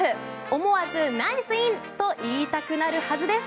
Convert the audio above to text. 思わずナイスイン！と言いたくなるはずです。